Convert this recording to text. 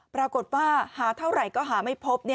ปรากฏว่าหาเท่าไหร่ก็หาไม่พบ